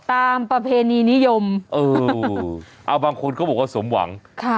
ประเพณีนิยมเออเอาบางคนเขาบอกว่าสมหวังค่ะ